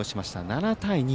７対２。